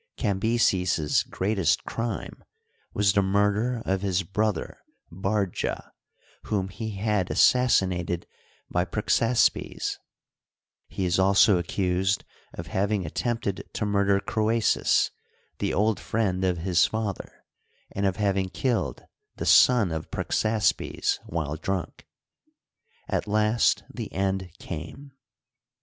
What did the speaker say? Cambyses's greatest crime was the murder of his brother Bardja, whom he had assassinated by Prexaspes, He is also accused of having attempted to murder Croesus, the old friend of his father, and of having killed the son of Prexaspes while drunk. At last the end came.